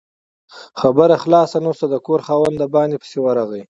خبره خلاصه نه شوه، د کور خاوند د باندې پسې ورغی